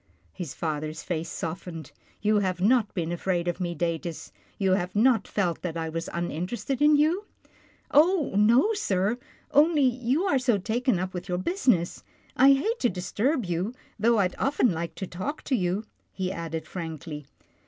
His father's face softened. " You have not been afraid of me, Datus. You have not felt that I was uninterested in you ?"" Oh ! no, sir, only you are so taken up with your business. I hate to disturb you, though I'd often like to talk to you," he added frankly.